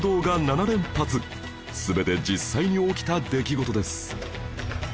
全て実際に起きた出来事です